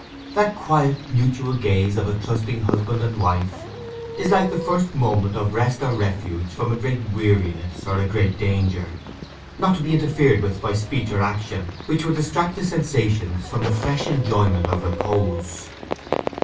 That quiet mutual gaze of a trusting husband and wife is like the first moment of rest or refuge from a great weariness or a great danger—not to be interfered with by speech or action which would distract the sensations from the fresh enjoyment of repose.